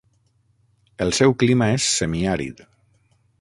El seu clima és semiàrid.